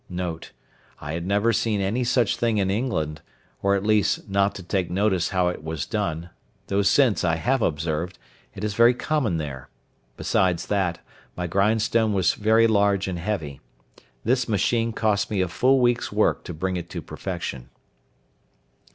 Note.—I had never seen any such thing in England, or at least, not to take notice how it was done, though since I have observed, it is very common there; besides that, my grindstone was very large and heavy. This machine cost me a full week's work to bring it to perfection.